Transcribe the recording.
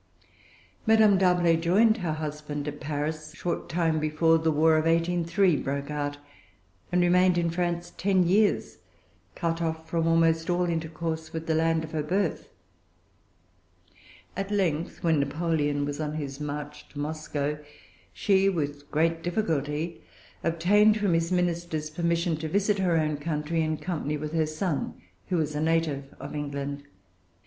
Madame D'Arblay joined her husband at Paris, a short time before the war of 1803 broke out, and remained in France ten years, cut off from almost all intercourse with the land of her birth. At length, when Napoleon was on his march to Moscow, she with great difficulty obtained from his ministers permission to visit her own country, in company with her son, who was a native of England.